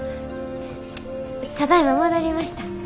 ただいま戻りました。